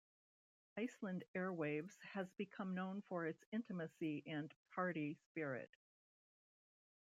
Iceland Airwaves has become known for its intimacy and party spirit.